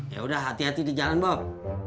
ya udah hati hati di jalan bom